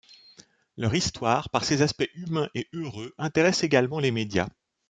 Leur histoire, par ses aspects humains et heureux, intéresse également les médias.